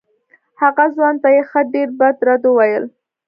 هغه ځوان ته یې ښه ډېر بد رد وویل.